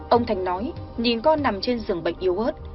ông thành nói nhìn con nằm trên giường bệnh yếu ớt